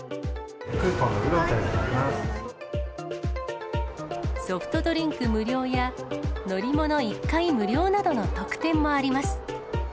クーポンのウーロン茶でござソフトドリンク無料や、乗り物１回無料などの特典もあります。